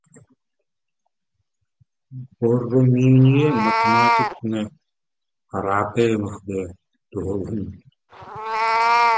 Borromini was aided in his perspective trick by a mathematician.